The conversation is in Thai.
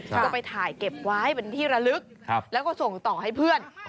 ก็ไปถ่ายเก็บไว้เป็นที่ระลึกแล้วก็ส่งต่อให้เพื่อน